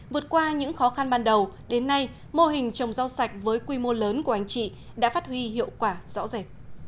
vượt qua những khó khăn ban đầu đến nay mô hình trồng rau sạch với quy mô lớn của anh chị đã phát huy hiệu quả rõ rệt